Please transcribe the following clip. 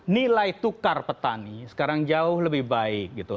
nilai tukar petani sekarang jauh lebih baik gitu